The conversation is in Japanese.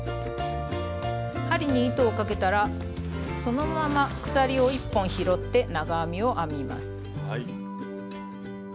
針に糸をかけたらそのまま鎖を１本拾って長編みを編みます。